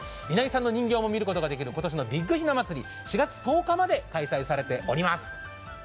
稲井さんの人形も見ることができる今年のビッグひな祭り、４月１０日まで開催されております。